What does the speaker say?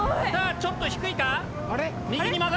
ちょっと低い。